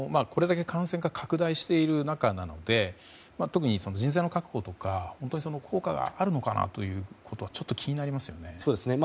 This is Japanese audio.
これだけ感染が拡大している中なので特に人材の確保とか、本当に効果があるのかなということはちょっと気になりますよね。